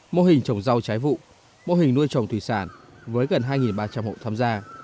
mô hình trồng rau trái vụ mô hình nuôi trồng thủy sản với gần hai ba trăm linh hộ tham gia